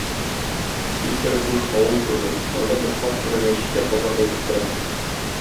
Тик бер буш авыл күрдек, анда бер карт кына мәчеттә азан әйтеп тора.